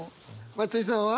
松居さんは？